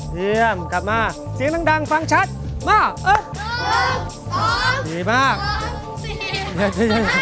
เยี่ยมกลับมาเสียงดังดังฟังชัดมาเอาสองสี่มากสี่ห้า